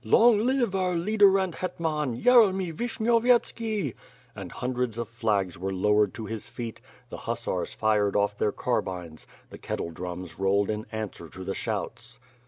Long live our leader and Hetman, Yeremy Vishnyovyetski!" And hundreds of flags were lowered to his feet; the hussars fired off their carbines; the kettle drums rolled in answer to the shouts.